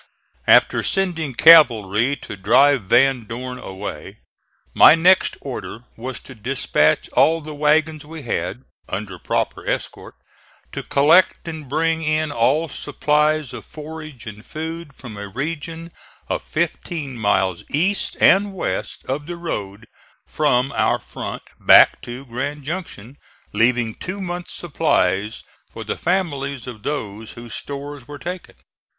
After sending cavalry to drive Van Dorn away, my next order was to dispatch all the wagons we had, under proper escort, to collect and bring in all supplies of forage and food from a region of fifteen miles east and west of the road from our front back to Grand Junction, leaving two months' supplies for the families of those whose stores were taken.